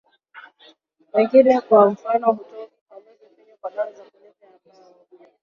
wengine kwa mfano hutoa ufafanuzi finyu kwa dawa za kulevya ambao